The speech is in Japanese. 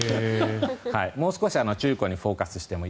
もう少し中古にフォーカスしても。